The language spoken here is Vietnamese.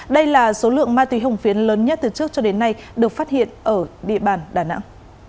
đây là số lượng ma túy hồng phiến lớn nhất từ trước cho đến nay được phát hiện ở địa bàn đà nẵng